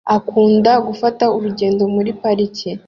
Akunda gufata urugendo muri parike